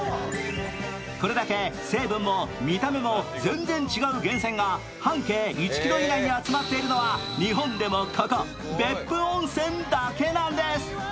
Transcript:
これだけ成分も見た目も全然違う源泉が半径１ｋｍ以内に集まっているのは日本でもここ別府温泉だけなんです。